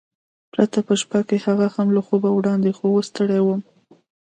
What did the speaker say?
پرته په شپه کې، هغه هم له خوبه وړاندې، خو اوس ستړی وم.